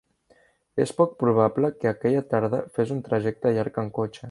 És poc probable que aquella tarda fes un trajecte llarg en cotxe.